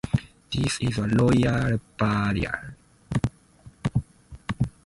This is a royal burial.